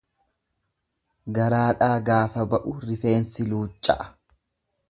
Garaadhaa gaaf ba'u rifeensi luucca'a.